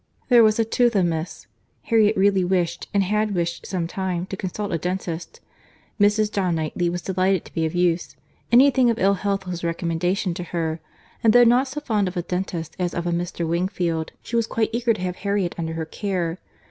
—There was a tooth amiss. Harriet really wished, and had wished some time, to consult a dentist. Mrs. John Knightley was delighted to be of use; any thing of ill health was a recommendation to her—and though not so fond of a dentist as of a Mr. Wingfield, she was quite eager to have Harriet under her care.